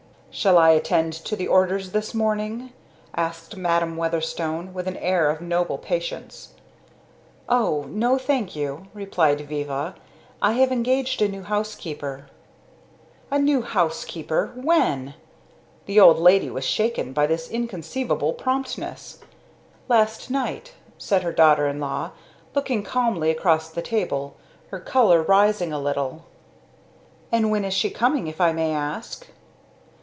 "Shall I attend to the orders this morning?" asked Madam Weatherstone with an air of noble patience. "O no, thank you!" replied Viva. "I have engaged a new housekeeper." "A new housekeeper! When?" The old lady was shaken by this inconceivable promptness. "Last night," said her daughter in law, looking calmly across the table, her color rising a little. "And when is she coming, if I may ask?"